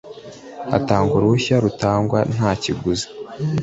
hatangwa uruhushya rutangwa nta kiguzi